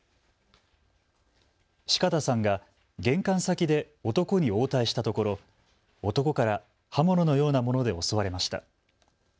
四方さんが玄関先で男に応対したところ、男から刃物のようなもので襲われました。